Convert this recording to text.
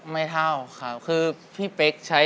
ไม่เท่าครับคือพี่เป๊กใช้